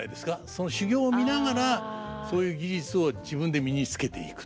その修業を見ながらそういう技術を自分で身につけていくという。